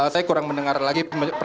saya kurang mendengar lagi